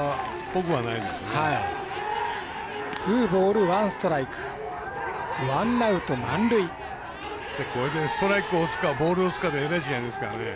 これでストライクを打つかボールを打つかでえらい違いですからね。